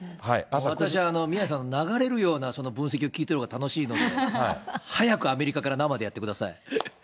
私、宮根さん、流れるような分析を聞いてるほうが楽しいので、早くアメリカから生でやってください。